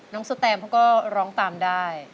น้องสุแตมเขาก็ร้องตามได้